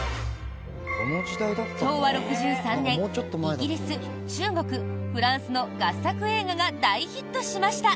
昭和６３年イギリス、中国、フランスの合作映画が大ヒットしました！